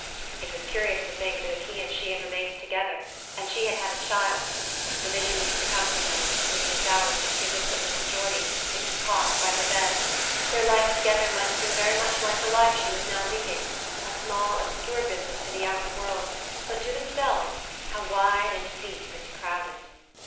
It was curious to think that if he and she had remained together, and she had had a child the vision used to come to her, in her sleepless hours, when she looked at little Geordie, in his cot by her bed their life together might have been very much like the life she was now leading, a small obscure business to the outer world, but to themselves how wide and deep and crowded!